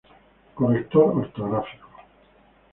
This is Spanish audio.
Corrector ortográfico.